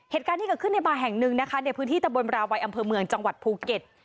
เหตุการณ์ที่เกิดขึ้นในบาร์แห่งหนึ่งนะคะในพื้นที่ตะบนราวัยอำเภอเมืองจังหวัดภูเก็ต